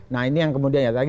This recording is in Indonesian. nah ini yang kemudian